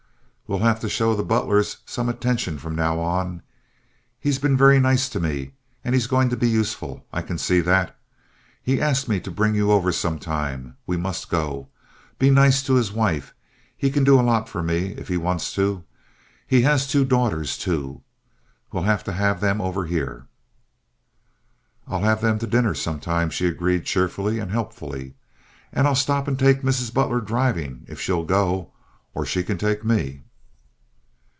"We'll have to show the Butlers some attention from now on. He's been very nice to me and he's going to be useful—I can see that. He asked me to bring you over some time. We must go. Be nice to his wife. He can do a lot for me if he wants to. He has two daughters, too. We'll have to have them over here." "I'll have them to dinner sometime," she agreed cheerfully and helpfully, "and I'll stop and take Mrs. Butler driving if she'll go, or she can take me."